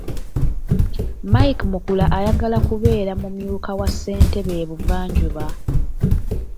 Mike Mukula ayagala kubeera mumyuka wa ssentebe e Buvanjuba.